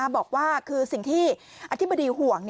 บอกว่าคือสิ่งที่อธิบดีห่วง